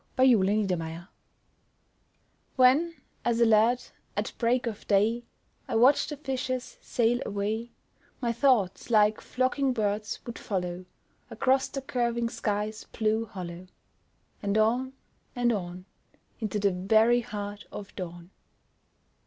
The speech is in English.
When as a Lad WHEN, as a lad, at break of day I watched the fishers sail away, My thoughts, like flocking birds, would follow Across the curving sky's blue hollow, And on and on Into the very heart of dawn!